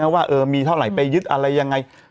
ว่ามีเท่าไหร่ไปยึดอะไรยังไง